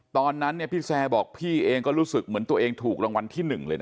ตอนนั้นพี่แซร์บอกพี่เองก็รู้สึกเหมือนตัวเองถูกรางวัลที่๑เลยนะ